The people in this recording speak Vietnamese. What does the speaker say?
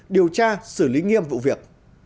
điều tra xử lý nghiêm vụ việc